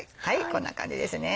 こんな感じですね。